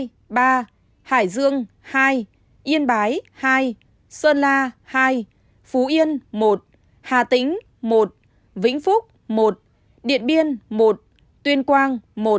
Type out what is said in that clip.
đồng tháp hai mươi bốn hải dương hai yên bái hai sơn la hai phú yên một hà tĩnh một vĩnh phúc một điện biên một tuyên quang một